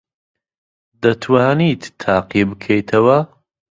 دەتوانیت تاقی بکەیتەوە؟